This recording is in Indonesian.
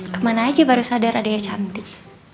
kemana aja baru sadar adiknya cantik